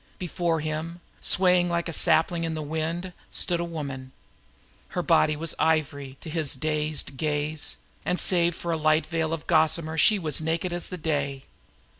Before him, swaying like a sapling in the wind, stood a woman. Her body was like ivory, and save for a veil of gossamer, she was naked as the day.